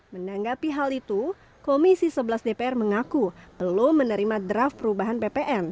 menanggapi hal itu komisi sebelas dpr mengaku belum menerima draft perubahan ppn